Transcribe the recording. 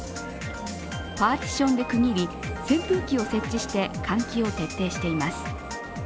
パーティションで区切り、扇風機を設置して、換気を徹底しています。